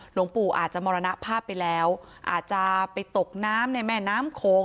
หลวงปู่อาจจะมรณภาพไปแล้วอาจจะไปตกน้ำในแม่น้ำโขง